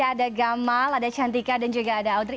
ada gamal ada cantika dan juga ada audrey